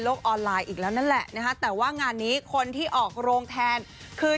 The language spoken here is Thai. ออนไลน์อีกแล้วนั่นแหละนะฮะแต่ว่างานนี้คนที่ออกโรงแทนคือ